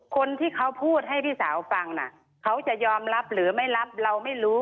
คนที่เขาพูดให้พี่สาวฟังน่ะเขาจะยอมรับหรือไม่รับเราไม่รู้